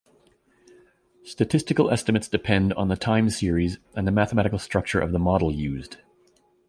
Statistical estimates depend on the time-series and the mathematical structure of the model used.